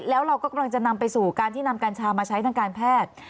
แล้วเราก็กำลังจะนำไปสู่การที่นำกัญชามาใช้ทางการแพทย์